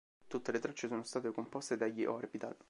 Tutte le tracce sono state composte dagli Orbital.